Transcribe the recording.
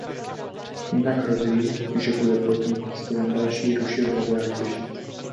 Jinak hrozí, že bude podnik vystaven další rušivé zátěži.